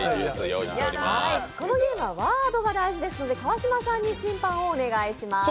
このゲームはワードが大事ですので川島さんに審判をお願いします。